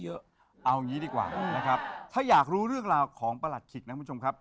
เอาอย่างนี้ดีกว่านะครับถ้าอยากรู้เรื่องราวของประหลัดขิกนะคุณผู้ชมครับ